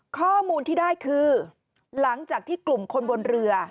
ข้อมูลที่ได้คือหลังจากที่กลุ่มคนบนเรือ